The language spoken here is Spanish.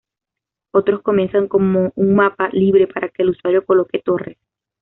Otros comienzan como un mapa libre para que el usuario coloque torres.